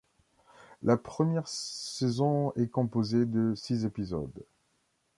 La première saison est composée de six épisodes.